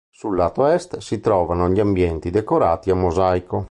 Sul lato est si trovano gli ambienti decorati a mosaico.